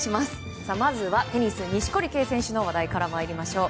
まずはテニス錦織圭選手の話題から参りましょう。